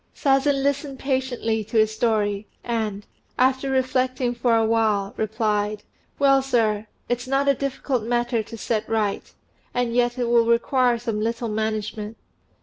Sazen listened patiently to his story, and, after reflecting for a while, replied, "Well, sir, it's not a difficult matter to set right: and yet it will require some little management.